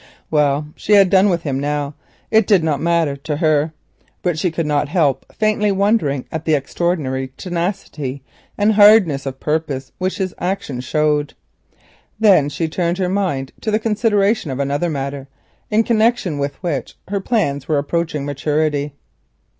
Well, she had done with him now, it did not matter to her; but she could not help faintly wondering at the extraordinary tenacity and hardness of purpose which his action showed. Then she turned her mind to the consideration of another matter, in connection with which her plans were approaching maturity.